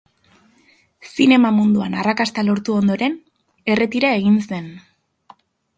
Zinema munduan arrakasta lortu ondoren, erretira egin zen.